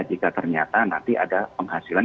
jika ternyata nanti ada penghasilan